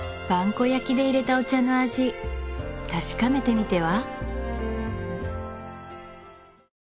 古焼でいれたお茶の味確かめてみては？